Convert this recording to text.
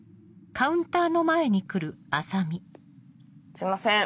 すいません。